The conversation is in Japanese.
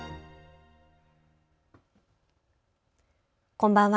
こんばんは。